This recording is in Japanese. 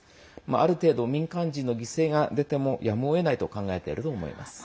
ある程度、民間人の犠牲が出てもやむをえないと考えていると思います。